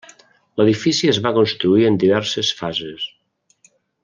L'edifici es va construir en diverses fases.